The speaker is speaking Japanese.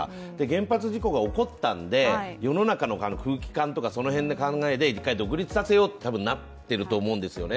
原発事故が起こったんで世の中の空気感とかその辺の考えで一回独立させようとなっていると思うんですね